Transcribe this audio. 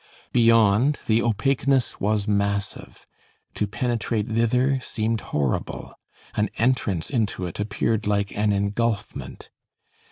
Beyond, the opaqueness was massive; to penetrate thither seemed horrible, an entrance into it appeared like an engulfment.